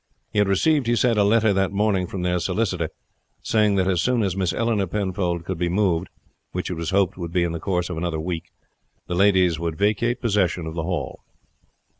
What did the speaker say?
He had received, he said, a letter that morning from their solicitor, saying that as soon as Miss Eleanor Penfold could be moved, which it was hoped would be in the course of another week, the ladies would vacate possession of the Hall.